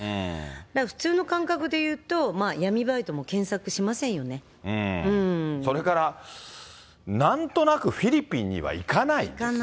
だから普通の感覚で言うと、それから、なんとなくフィリピンには行かないですね。